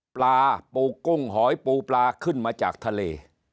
ปลาปูกุ้งหอยปูปลาขึ้นมาจากทะเล